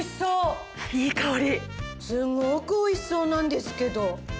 すごく美味しそうなんですけど。